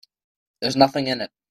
There's nothing in it.